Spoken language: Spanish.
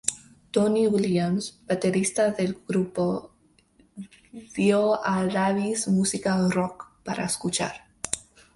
Tony Williams, baterista del grupo, dio a Davis música rock para escuchar.